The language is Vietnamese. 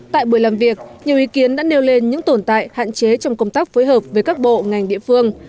tại buổi làm việc nhiều ý kiến đã nêu lên những tồn tại hạn chế trong công tác phối hợp với các bộ ngành địa phương